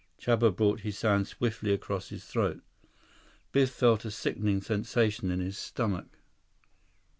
Chuba brought his hand swiftly across his throat. Biff felt a sickening sensation in his stomach.